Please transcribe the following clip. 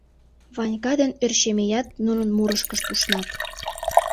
Ванька ден Ӧрчемеят нунын мурышкышт ушнат: